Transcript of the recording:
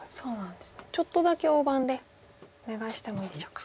ちょっとだけ大盤でお願いしてもいいでしょうか。